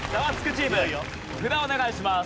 チーム札をお願いします。